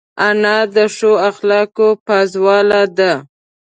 انا د ښو اخلاقو پازواله ده